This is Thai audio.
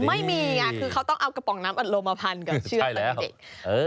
ไม่มีไงคือเขาต้องเอากระป๋องน้ำอัดลมมาพันกับเชือกตอนเด็ก